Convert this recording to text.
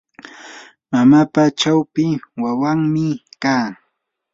mamapa chawpi wawanmi kaa.